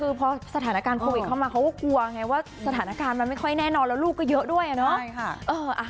คือพอสถานการณ์โควิดเข้ามาเขาก็กลัวไงว่าสถานการณ์มันไม่ค่อยแน่นอนแล้วลูกก็เยอะด้วยอะเนาะ